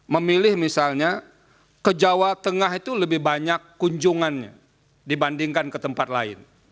memilih misalnya ke jawa tengah itu lebih banyak kunjungannya dibandingkan ke tempat lain